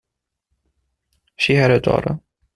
She had a daughter.